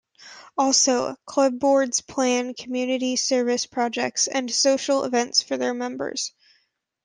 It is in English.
Also, Club Boards plan community service projects and social events for their members.